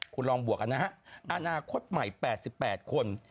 คุณลองบวกกันนะฮะอนาคตใหม่๘๘คน